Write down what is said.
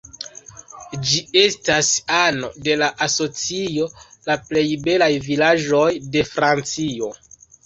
Ĝi estas ano de la asocio La plej belaj vilaĝoj de Francio.